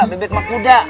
bebek mah kuda